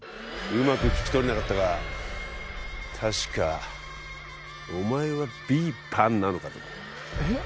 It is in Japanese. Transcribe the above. うまく聞き取れなかったが確かお前はビーパンなのか？とかえっ？